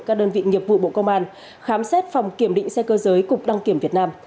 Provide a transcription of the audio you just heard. các đơn vị nghiệp vụ bộ công an khám xét phòng kiểm định xe cơ giới cục đăng kiểm việt nam